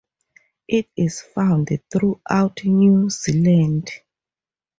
It is found throughout New Zealand.